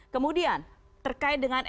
kemudian terkait dengan